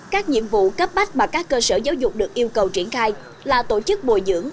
các nhiệm vụ cấp bách mà các cơ sở giáo dục được yêu cầu triển khai là tổ chức bồi dưỡng